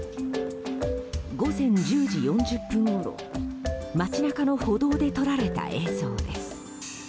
午前１０時４０分ごろ街中の歩道で撮られた映像です。